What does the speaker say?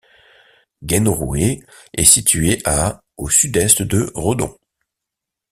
Guenrouet est située à au sud-est de Redon.